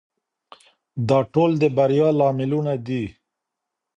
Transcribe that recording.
دا ټول د بریا لاملونه دي.